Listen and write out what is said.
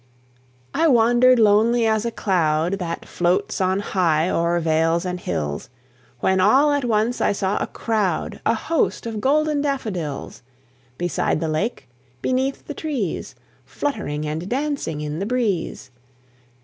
(1770 96.) I wandered lonely as a cloud That floats on high o'er vales and hills, When all at once I saw a crowd, A host of golden daffodils: Beside the lake, beneath the trees, Fluttering and dancing in the breeze.